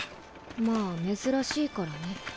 まぁ珍しいからね。